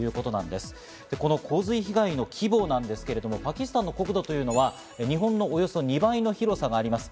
で、この洪水被害の規模なんですが、パキスタンの国土というのは、日本のおよそ２倍の広さがあります